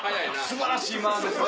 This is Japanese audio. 素晴らしい間ですね。